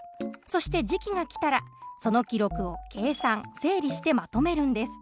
そして時期が来たらその記録を計算整理してまとめるんです。